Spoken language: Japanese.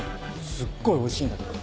すっごいおいしいんだけど。